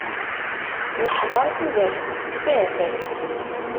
Neḥder tudert tettfat.